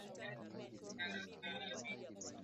aa tunajitayarisha kwa sababu aa